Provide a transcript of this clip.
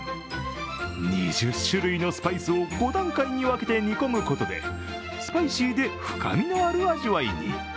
２０種類のスパイスを５段階に分けて煮込むことでスパイシーで深みのある味わいに。